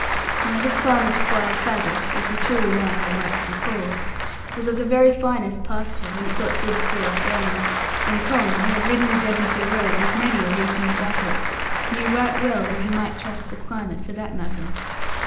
Now this farm of Squire Faggus (as he truly now had a right to be called) was of the very finest pasture, when it got good store of rain. And Tom, who had ridden the Devonshire roads with many a reeking jacket, knew right well that he might trust the climate for that matter.